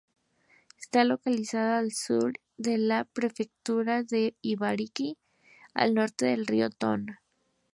Está localizada al sur de la Prefectura de Ibaraki, al norte del río Tone.